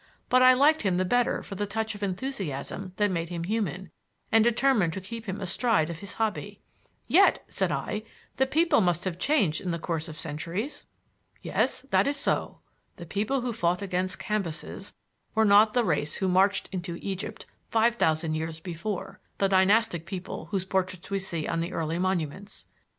But I liked him the better for the touch of enthusiasm that made him human, and determined to keep him astride of his hobby. "Yet," said I, "the people must have changed in the course of centuries." "Yes, that is so. The people who fought against Cambyses were not the race who marched into Egypt five thousand years before the dynastic people whose portraits we see on the early monuments.